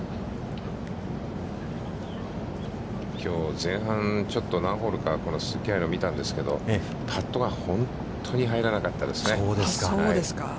きょう前半ちょっと何ホールか、鈴木愛、見たんですが、パットが本当に入らなかったですね。